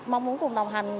mong muốn cùng đồng hành